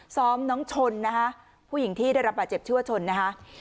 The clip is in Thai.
ซ้อมน้องชนนะคะผู้หญิงที่ได้รับบาดเจ็บชื่อว่าชนนะคะ